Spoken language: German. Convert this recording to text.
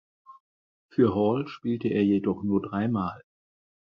Für Hall spielte er jedoch nur drei Mal.